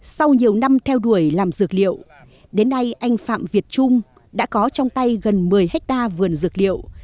sau nhiều năm theo đuổi làm dược liệu đến nay anh phạm việt trung đã có trong tay gần một mươi hectare vườn dược liệu